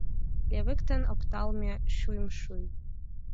Левыктен опталме шӱшмӱй...